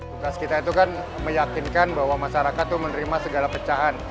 tugas kita itu kan meyakinkan bahwa masyarakat itu menerima segala pecahan